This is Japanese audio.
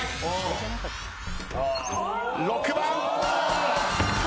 ６番。